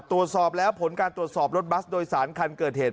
ตรวจสอบแล้วผลการตรวจสอบรถบัสโดยสารคันเกิดเหตุ